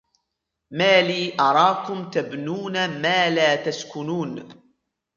مَا لِي أَرَاكُمْ تَبْنُونَ مَا لَا تَسْكُنُونَ